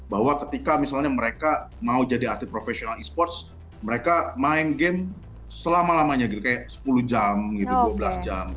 bahwa ketika misalnya mereka mau jadi atlet profesional e sports mereka main game selama lamanya gitu kayak sepuluh jam gitu dua belas jam